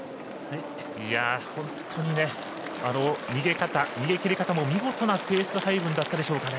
本当に逃げ方、逃げきり方も見事なペース配分だったでしょうかね。